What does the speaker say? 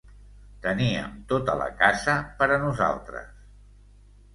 Teníem tota la casa per a nosaltres.